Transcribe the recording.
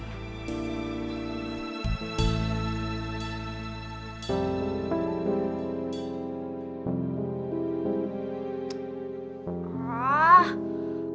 apakah karena kamu bunuh diri